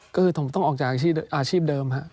ก็คือต้องออกจากอาชีพเดิมครับ